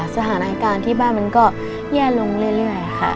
สถานการณ์ที่บ้านมันก็แย่ลงเรื่อยค่ะ